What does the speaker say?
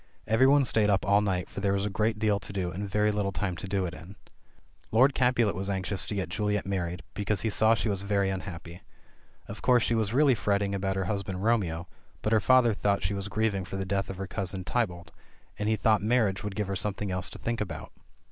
Every one stayed up all night, for there was a great deal to do, and very little time to do it in. Lord Capulet was anxious to get Juliet married, because he saw she was very unhappy. Of course she was really fretting about her husband Romeo, but her father thought she was grieving for the death of her cousin Tybalt,'^nd he thought marriage would give her something else to think about.